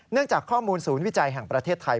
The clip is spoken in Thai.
เนื่องจากข้อมูลศูนย์วิจัยของประเทศไทย